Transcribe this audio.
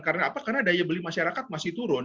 karena apa karena daya beli masyarakat masih turun